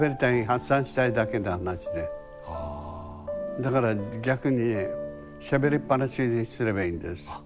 だから逆にねしゃべりっぱなしにすればいいんです。